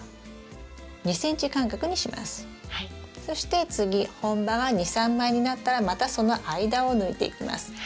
そして次本葉が２３枚になったらまたその間を抜いていきます。